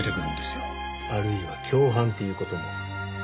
あるいは共犯っていう事も。